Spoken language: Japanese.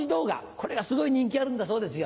これがすごい人気あるんだそうですよ。